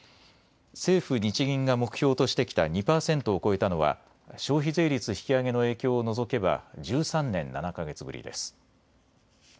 政府日銀が目標としてきた２％を超えたのは消費税率引き上げの影響を除けば１３年７か月ぶりです。